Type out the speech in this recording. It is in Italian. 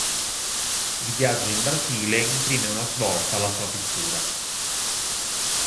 Il viaggio in Brasile, imprime una svolta alla sua pittura.